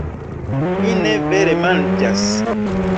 Mi ne vere manĝas